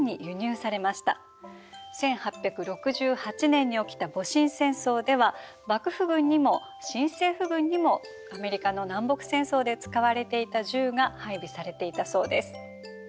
１８６８年に起きた戊辰戦争では幕府軍にも新政府軍にもアメリカの南北戦争で使われていた銃が配備されていたそうです。